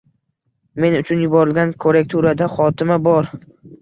Men uchun yuborilgan korrekturada xotima bor